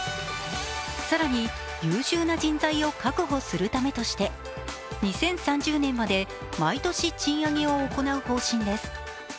更に優秀な人材を確保するためとして２０３０年まで、毎年賃上げを行う方針です。